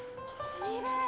きれい！